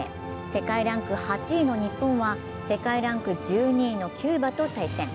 世界ランク８位の日本は世界ランク１２位のキューバと対戦。